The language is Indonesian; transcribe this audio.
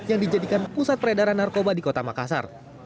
yang dijadikan pusat peredaran narkoba di kota makassar